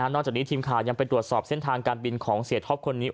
จากนี้ทีมข่าวยังไปตรวจสอบเส้นทางการบินของเสียท็อปคนนี้